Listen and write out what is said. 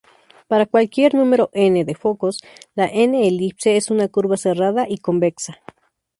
Para cualquier número "n" de focos, la "n"-elipse es una curva cerrada y convexa.